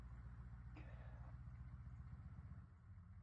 Goizean goizetik ibiltzen gara presaka.